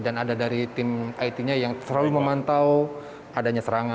dan ada dari tim it nya yang selalu memantau adanya serangan